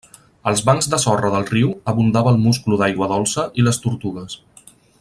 Als bancs de sorra del riu abundava el musclo d'aigua dolça i les tortugues.